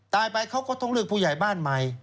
ตายไปเขาก็ต้องเลือกผู้ใหญ่บ้านใหม่